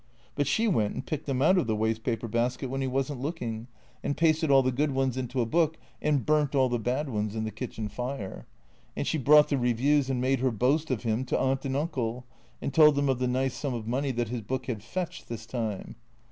But slio went and picked them out of tlie waste paper basket when he was n't looking, and pasted T H E C R E A T 0 R S 297 all the good ones into a book, and burnt all the bad ones in the kitchen iire. And she ])roiight the reviews, and made her boast of him to Aunt and Uncle, and told them of the nice sum of money that his book had " fetched," this time.